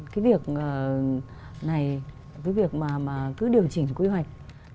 cái việc này với việc mà cứ điều chỉnh quy hoạch